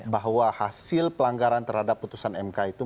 bahwa hasil pelanggaran terhadap putusan mk itu